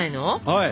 はい。